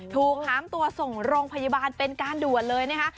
หามตัวส่งโรงพยาบาลเป็นการด่วนเลยนะคะ